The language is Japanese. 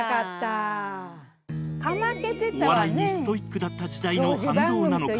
お笑いにストイックだった時代の反動なのか